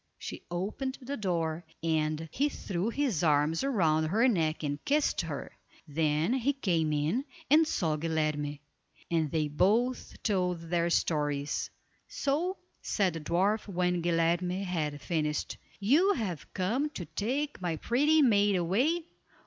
She opened the door, and he threw his arms round her neck and kissed her, then he came in, and saw Guilerme; and they both told their stories. "So," said the dwarf, when Guilerme had finished: "You have come to take my pretty maid away?